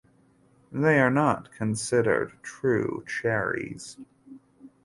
They are not considered true cherries.